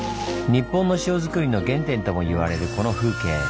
日本の塩作りの原点ともいわれるこの風景。